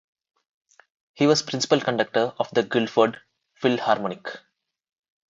He was principal conductor of the Guildford Philharmonic.